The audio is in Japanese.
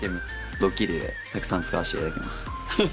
ドッキリでたくさん使わしていただきます。